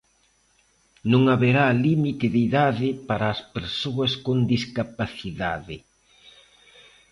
Non haberá límite de idade para as persoas con discapacidade.